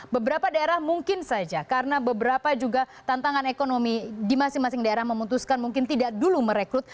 beberapa daerah mungkin saja karena beberapa juga tantangan ekonomi di masing masing daerah memutuskan mungkin tidak dulu merekrut